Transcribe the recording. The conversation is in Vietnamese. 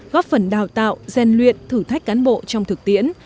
góp phần đào tạo gian luyện thử thách cán bộ trong thực tiễn